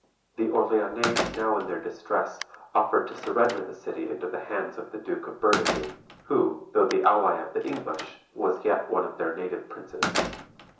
The Orleannais now in their distress offered to surrender the city into the hands of the Duke of Burgundy, who, though the ally of the English, was yet one of their native princes.